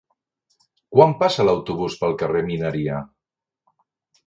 Quan passa l'autobús pel carrer Mineria?